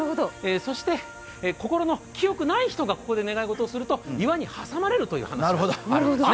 そして心の清くない人がここで願い事をすると岩に挟まれるという話があります。